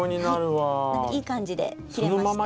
はいいい感じで切れました。